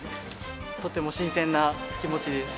とても新鮮な気持ちです。